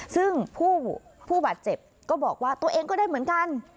ซึ่งผู้บาดเจ็บก็บอกว่าตัวเองก็ได้เหมือนกัน